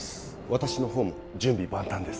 私のほうも準備万端です